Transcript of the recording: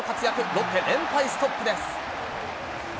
ロッテ、連敗ストップです。